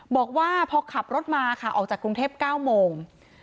บอกว่าพอขับรถมาค่ะออกจากกรุงเทพ๙โมง